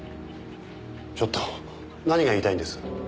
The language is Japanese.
ちょっと何が言いたいんです？